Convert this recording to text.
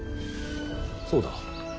そうだ。